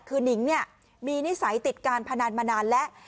คือนิงมีนิสัยติดการพนันมานานแล้ว